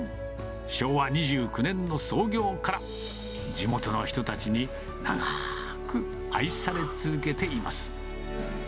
昭和２９年の創業から、地元の人たちに、長ーく愛され続けています。